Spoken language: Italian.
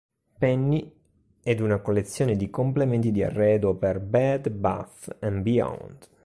Penney ed una collezione di complementi di arredo per Bed, Bath and Beyond.